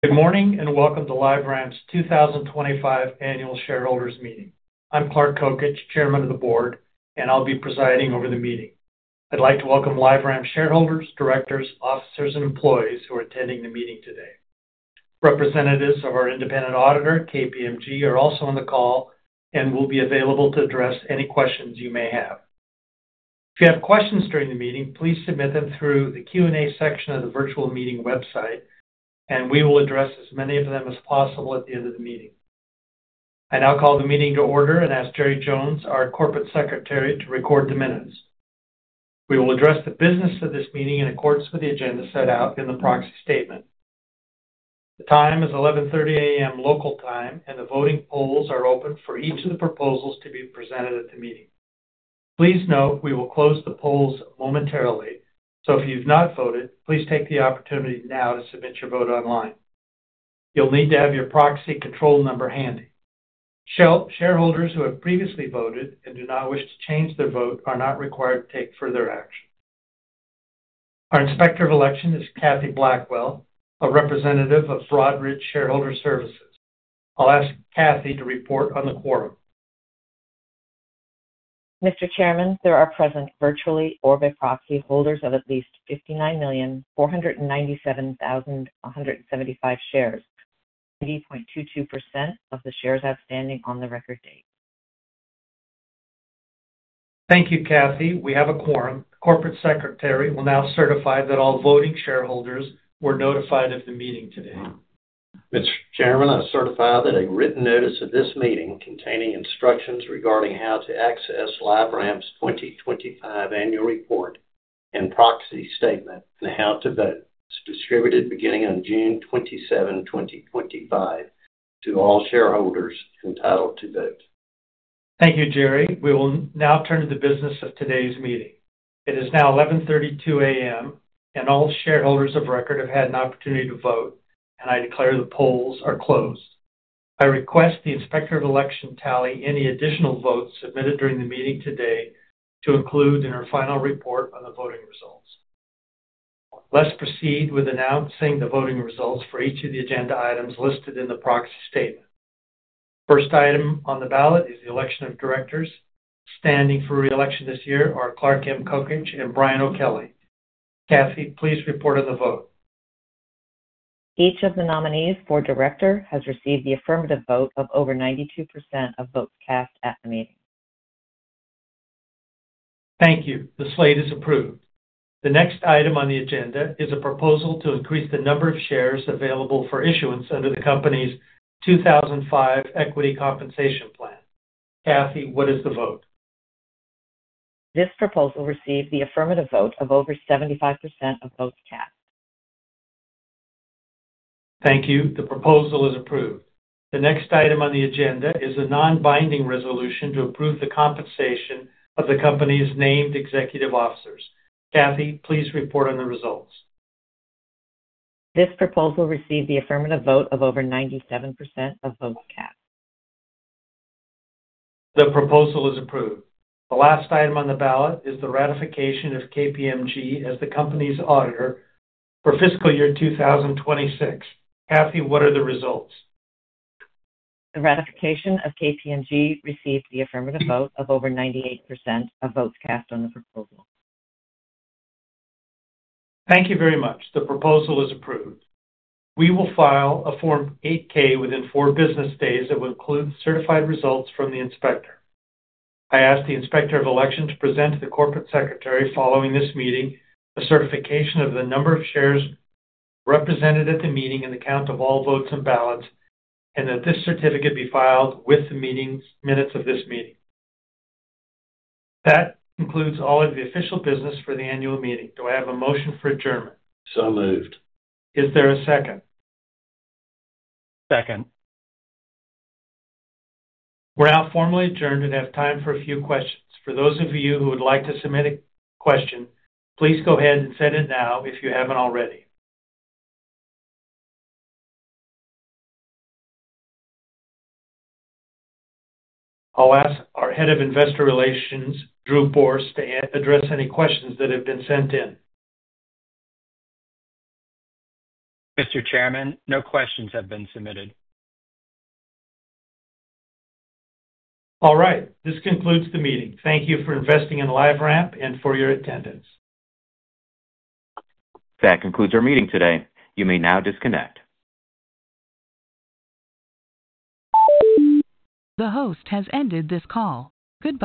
Good morning and welcome to LiveRamp's 2025 Annual Shareholders Meeting. I'm Clark Kokich, Chairman of the Board, and I'll be presiding over the meeting. I'd like to welcome LiveRamp shareholders, directors, officers, and employees who are attending the meeting today. Representatives of our independent auditor, KPMG, are also on the call and will be available to address any questions you may have. If you have questions during the meeting, please submit them through the Q&A section of the virtual meeting website, and we will address as many of them as possible at the end of the meeting. I now call the meeting to order and ask Jerry Jones, our Corporate Secretary, to record the minutes. We will address the business of this meeting in accordance with the agenda set out in the proxy statement. The time is 11:30 A.M. local time, and the voting polls are open for each of the proposals to be presented at the meeting. Please note we will close the polls momentarily, so if you've not voted, please take the opportunity now to submit your vote online. You'll need to have your proxy control number handy. Shareholders who have previously voted and do not wish to change their vote are not required to take further action. Our Inspector of Elections is Kathy Blackwell, a representative of Broadridge Shareholder Services. I'll ask Kathy to report on the quorum. Mr. Chairman, there are present virtually or by proxy holders of at least 59,497,175 shares, 80.22% of the shares outstanding on the record date. Thank you, Kathy. We have a quorum. The Corporate Secretary will now certify that all voting shareholders were notified of the meeting today. Mr. Chairman, I certify that a written notice of this meeting containing instructions regarding how to access LiveRamp's 2025 Annual Report and Proxy Statement and how to vote is distributed beginning on June 27, 2025, to all shareholders entitled to vote. Thank you, Jerry. We will now turn to the business of today's meeting. It is now 11:32 A.M., and all shareholders of record have had an opportunity to vote, and I declare the polls are closed. I request the Inspector of Elections tally any additional votes submitted during the meeting today to include in her final report on the voting results. Let's proceed with announcing the voting results for each of the agenda items listed in the proxy statement. First item on the ballot is the Election of Directors. Standing for reelection this year are Clark Kokich and Brian O'Kelley. Kathy, please report on the vote. Each of the nominees for Director has received the affirmative vote of over 92% of votes cast at the meeting. Thank you. The slate is approved. The next item on the agenda is a proposal to increase the number of shares available for issuance under the company's 2005 Equity Compensation Plan. Kathy, what is the vote? This proposal received the affirmative vote of over 75% of votes cast. Thank you. The proposal is approved. The next item on the agenda is a non-binding resolution to approve the compensation of the company's named executive officers. Kathy, please report on the results. This proposal received the affirmative vote of over 97% of votes cast. The proposal is approved. The last item on the ballot is the ratification of KPMG as the company's auditor for fiscal year 2026. Kathy, what are the results? The ratification of KPMG received the affirmative vote of over 98% of votes cast on the proposal. Thank you very much. The proposal is approved. We will file a Form 8-K within four business days that will include certified results from the Inspector of. I ask the Inspector of Elections to present to the Corporate Secretary following this meeting a certification of the number of shares represented at the meeting and the count of all votes and ballots, and that this certificate be filed with the minutes of this meeting. That concludes all of the official business for the annual meeting. Do I have a motion for adjournment? So moved. Is there a second? Second. We're now formally adjourned and have time for a few questions. For those of you who would like to submit a question, please go ahead and send it now if you haven't already. I'll ask our Head of Investor Relations, Drew Borst, to address any questions that have been sent in. Mr. Chairman, no questions have been submitted. All right. This concludes the meeting. Thank you for investing in LiveRamp and for your attendance. That concludes our meeting today. You may now disconnect. The host has ended this call. Goodbye.